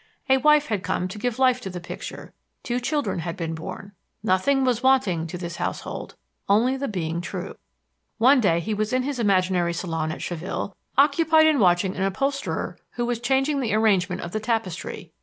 A wife had come to give life to the picture; two children had been born. Nothing was wanting to this household, only the being true.... One day he was in his imaginary salon at Chaville, occupied in watching an upholsterer who was changing the arrangement of the tapestry.